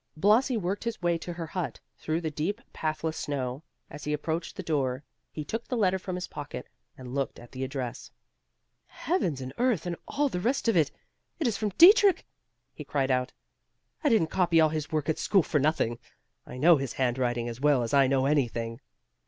Blasi worked his way to her hut, through the deep, pathless snow. As he approached the door, he took the letter from his pocket, and looked at the address. "Heavens and earth and all the rest of it! It is from Dietrich!" he cried out. "I didn't copy all his work at school for nothing. I know his hand writing as well as I know anything!"